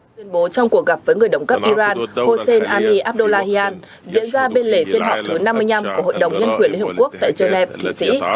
tuyên bố trong cuộc gặp với người đồng cấp iran hossein ali abdullahian diễn ra bên lề phiên họp thứ năm mươi năm của hội đồng nhân quyền liên hợp quốc tại geneva thụy sĩ